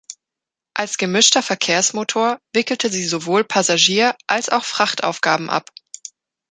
Als gemischter Verkehrsmotor wickelte sie sowohl Passagier- als auch Frachtaufgaben ab.